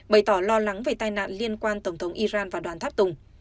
bày tỏ lo lắng về tai nạn liên quan tổng thống iran và đoàn tháp tùng